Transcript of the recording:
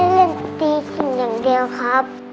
เล่นปีขึ้นอย่างเดียวครับ